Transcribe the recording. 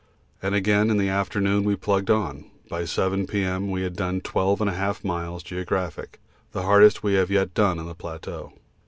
and again in the afternoon we plugged on; by 7 P.M. we had done 12 l/2 miles (geo.), the hardest we have yet done on the plateau.